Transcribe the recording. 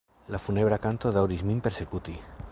La funebra kanto daŭris min persekuti.